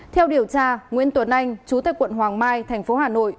theo điều tra nguyễn tuấn anh chủ tịch quận hoàng mai tp hà nội